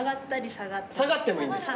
下がってもいいんですか。